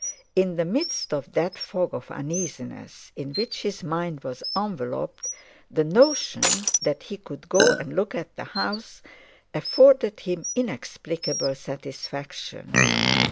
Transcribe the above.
In the midst of that fog of uneasiness in which his mind was enveloped the notion that he could go and look at the house afforded him inexplicable satisfaction.